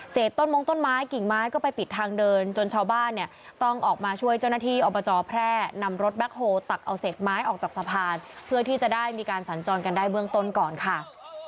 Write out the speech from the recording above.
ต้นมงต้นไม้กิ่งไม้ก็ไปปิดทางเดินจนชาวบ้านเนี่ยต้องออกมาช่วยเจ้าหน้าที่อบจแพร่นำรถแบ็คโฮลตักเอาเศษไม้ออกจากสะพานเพื่อที่จะได้มีการสัญจรกันได้เบื้องต้นก่อนค่ะ